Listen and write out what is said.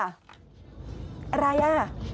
อะไรอ่ะ